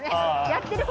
やってる？